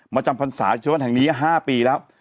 มาจำพันศาสตร์ชีวิตวันแห่งนี้๕ปีแล้ว